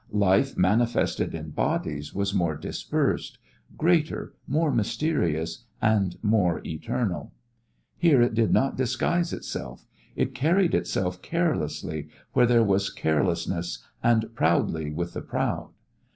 Life manifested in bodies was more dispersed, greater, more mysterious and more eternal. Here it did not disguise itself; it carried itself carelessly where there was carelessness and proudly with the proud.